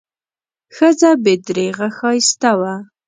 ښځه بې درېغه ښایسته وه.